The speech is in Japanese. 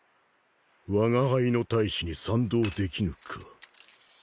わが輩の大志に賛同できぬか。